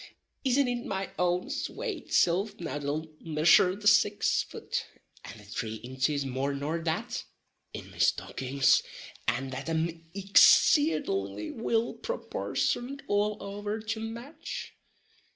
Isn't it my own swate silf now that'll missure the six fut, and the three inches more nor that, in me stockins, and that am excadingly will proportioned all over to match?